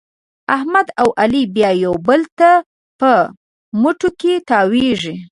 احمد او علي بیا یو بل ته په مټو کې تاوېږي.